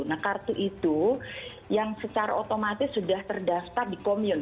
nah kartu itu yang secara otomatis sudah terdaftar di komyun